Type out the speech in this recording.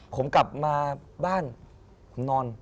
ผมกลับมาบ้านผมนอน